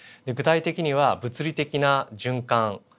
具体的には物理的な循環。